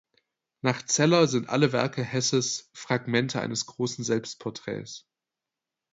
Nach Zeller sind alle Werke Hesses „Fragmente eines großen Selbstporträts“.